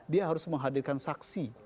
dia harus menghadirkan saksi